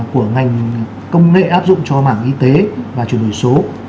của ngành công nghệ áp dụng cho mảng y tế và chuyển đổi số